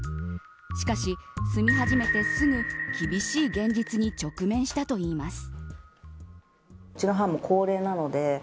しかし、住み始めてすぐ厳しい現実に直面したといいます。